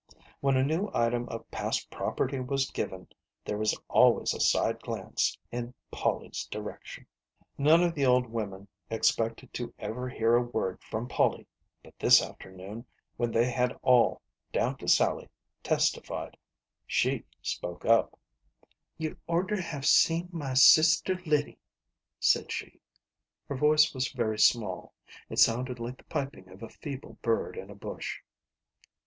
When a new item of past property was given, there was always a side glance in Polly's direction. None of the old women expected to ever hear a word from Polly, but this afternoon, when they had all, down to Sally, testified, she spoke up : "You'd orter have seen my sister Liddy," said she ) her voice was very small, it sounded like the piping of a feeble bird in a bush.